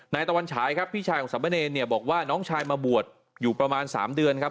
ตะวันฉายครับพี่ชายของสามเณรเนี่ยบอกว่าน้องชายมาบวชอยู่ประมาณ๓เดือนครับ